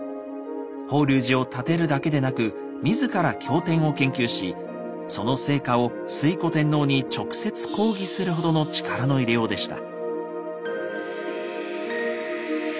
法隆寺を建てるだけでなく自ら経典を研究しその成果を推古天皇に直接講義するほどの力の入れようでした。